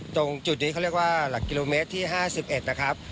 ตรงจุดนี้เขาเรียกว่าหลักกิโลเมตรที่๕๑นะครับ